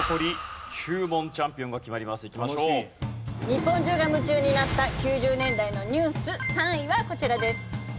日本中が夢中になった９０年代のニュース３位はこちらです。